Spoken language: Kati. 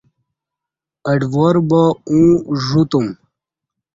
اڈوار با اوں ژ وتُم